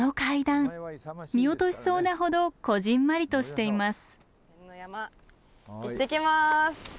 見落としそうなほどこぢんまりとしています。